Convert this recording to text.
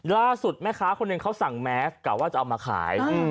ล่าสุดแม่ค้าคนหนึ่งเขาสั่งแม้กล่าวว่าจะเอามาขาย